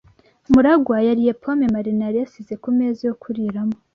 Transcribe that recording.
MuragwA yariye pome Marina yari yasize ku meza yo kuriramo.